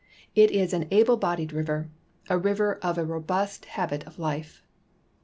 It is an able bodied river, a river of a robust habit of life. *See note Vjy A.